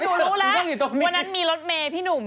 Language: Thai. หนูรู้แล้ววันนั้นมีรถเมย์พี่หนุ่ม